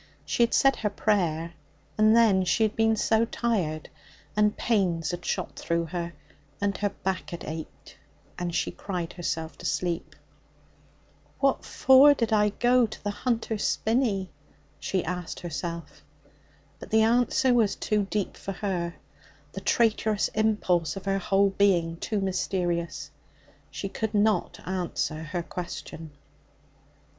She had said her prayer, and then she had been so tired, and pains had shot through her, and her back had ached, and she had cried herself to sleep. 'What for did I go to the Hunter's Spinney?' she asked herself. But the answer was too deep for her, the traitorous impulse of her whole being too mysterious. She could not answer her question.